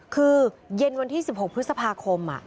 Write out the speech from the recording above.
คือเย็นวันที่๑๖พฤษภาคม